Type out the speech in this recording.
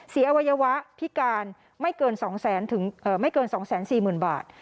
เสียวัยวะพิการไม่เกิน๒๔๐๐๐๐๐บาท